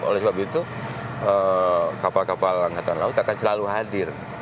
oleh sebab itu kapal kapal angkatan laut akan selalu hadir